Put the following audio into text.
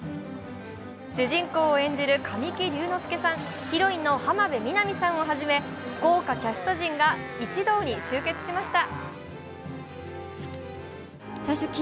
主人公を演じる神木隆之介さん、ヒロインの浜辺美波さんをはじめ豪華キャスト陣が一堂に集結しました。